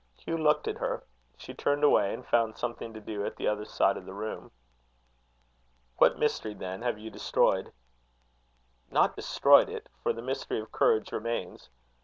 Hugh looked at her. She turned away, and found something to do at the other side of the room. "What mystery, then, have you destroyed?" "Not destroyed it; for the mystery of courage remains.